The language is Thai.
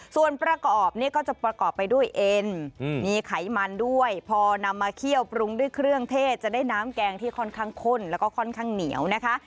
ส่วนประกอบเนี่ยก็จะประกอบไปด้วยเอ็นมีไขมันด้วยพอนำมาเคี่ยวปรุงด้วยเครื่องเทศจะได้น้ำแกงที่ค่อนข้างข้นแล้วก็ค่อนข้างเหนียวนะคะ